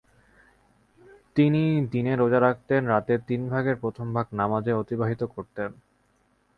তিনি দিনে রোযা রাখতেন, রাতের তিন ভাগের প্রথম ভাগ নামাযে অতিবাহিত করতেন।